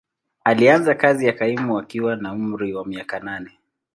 Alianza kazi ya kaimu akiwa na umri wa miaka nane.